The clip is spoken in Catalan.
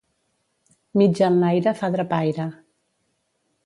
Mitja enlaire fa drapaire.